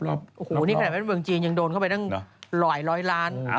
โอ้โหนี่ขนาดเป็นเมืองจีนยังโดนเข้าไปตั้งหลายร้อยล้าน